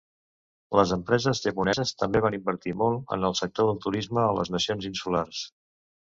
Les empreses japoneses també van invertir molt en el sector del turisme a les nacions insulars.